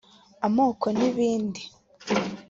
amoko n’ibindi